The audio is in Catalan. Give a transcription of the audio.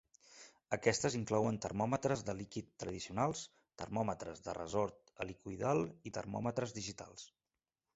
Aquestes inclouen termòmetres de líquid tradicionals, termòmetres de ressort helicoidal i termòmetres digitals.